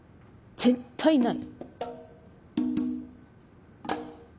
絶対ない！